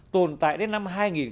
tồn tại đến năm hai nghìn bảy